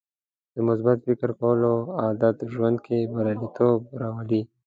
د مثبت فکر کولو عادت ژوند کې بریالیتوب راولي.